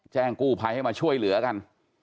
แจ้งกู้ภัยให้มาช่วยเหลือกัน